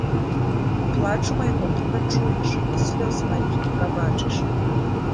Плачу майго не пачуеш і слёз маіх не пабачыш.